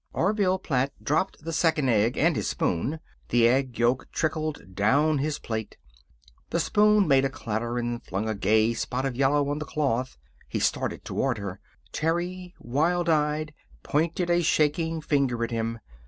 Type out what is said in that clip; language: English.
Orville Platt dropped the second egg, and his spoon. The egg yolk trickled down his plate. The spoon made a clatter and flung a gay spot of yellow on the cloth. He started toward her. Terry, wild eyed, pointed a shaking finger at him.